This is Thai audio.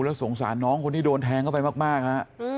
แล้วสงสารน้องคนที่โดนแทงเข้าไปมากฮะ